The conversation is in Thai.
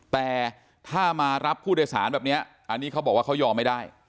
แต่ถ้ามารับผู้โดยสารแบบนี้อันนี้เขาบอกว่าเขายอมไม่ได้